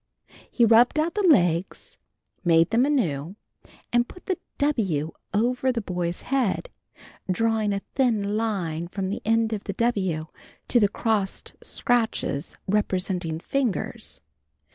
He rubbed out the legs, made them anew, and put the W over the boy's head, drawing a thin line from the end of the W to the crossed scratches representing fingers.